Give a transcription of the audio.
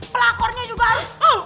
pelakornya juga harus